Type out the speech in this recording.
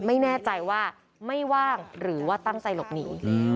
ไม่แน่ใจว่าไม่ว่างหรือว่าตั้งใจหลบหนี